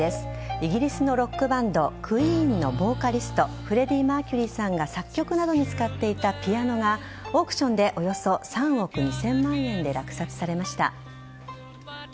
イギリスのロックバンドＱＵＥＥＮのボーカリストフレディ・マーキュリーさんが作曲などに使っていたピアノがオークションでおよそ３億２０００万円で落札されました。